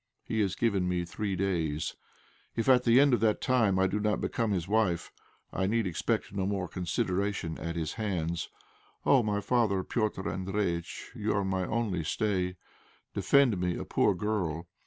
He has given me three days; if at the end of that time I do not become his wife I need expect no more consideration at his hands. Oh! my father, Petr' Andréjïtch, you are my only stay. Defend me, a poor girl.